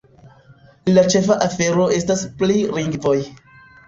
La ĉefa afero estas pri lingvoj.